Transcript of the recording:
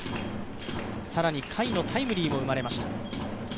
更に甲斐のタイムリーも生まれました。